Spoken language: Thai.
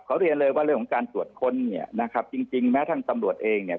เขาเรียนเลยว่าเรื่องของการตรวจคนเนี่ยจริงแม้ทั้งตำรวจเองเนี่ย